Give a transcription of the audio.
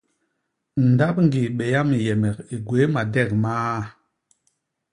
Ndap ñgii Béa Minyémék i gwéé madek maa.